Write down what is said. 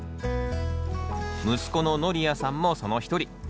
息子の法也さんもその一人。